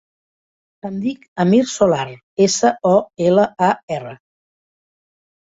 Em dic Amir Solar: essa, o, ela, a, erra.